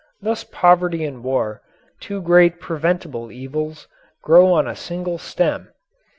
Thus poverty and war, two great preventable evils, grow on a single stem.